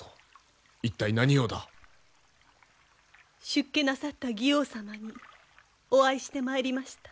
出家なさった妓王様にお会いしてまいりました。